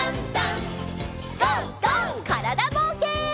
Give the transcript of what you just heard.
からだぼうけん。